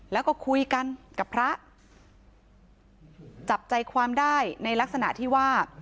แล้วก็คุยกันกับพระจับใจความได้ในลักษณะที่ว่า